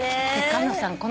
菅野さん